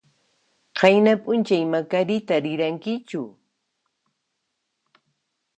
Qayna p'unchay Macarita rirankichu?